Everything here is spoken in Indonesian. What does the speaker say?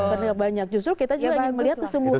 karena banyak justru kita juga melihat kesembuhannya